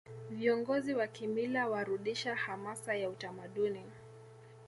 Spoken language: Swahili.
viongozi wa kimila warudisha hamasa ya utamaduni